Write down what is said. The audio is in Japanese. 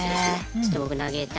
ちょっと僕投げたい。